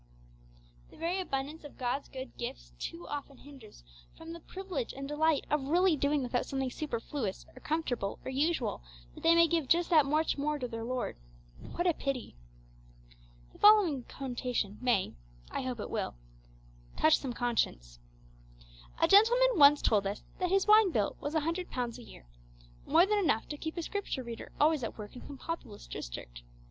The very abundance of God's good gifts too often hinders from the privilege and delight of really doing without something superfluous or comfortable or usual, that they may give just that much more to their Lord. What a pity! The following quotation may (I hope it will), touch some conscience: 'A gentleman once told us that his wine bill was £100 a year more than enough to keep a Scripture reader always at work in some populous district.